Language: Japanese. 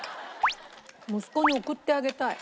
息子に送ってあげたい。